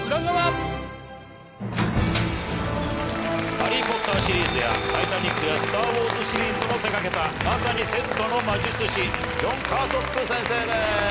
『ハリー・ポッター』シリーズや『タイタニック』や『スター・ウォーズ』シリーズも手がけたまさにセットの魔術師ジョン・カーソップ先生です。